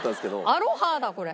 アロハだこれ。